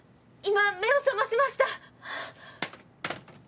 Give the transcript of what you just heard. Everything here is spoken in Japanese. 今目を覚ましました！